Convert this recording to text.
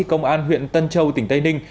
công an huyện tân châu tỉnh tây ninh